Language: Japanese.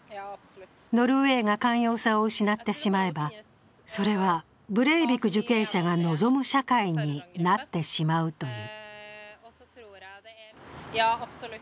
ノルウェーが寛容さを失ってしまえば、それはブレイビク受刑者が望む社会になってしまうという。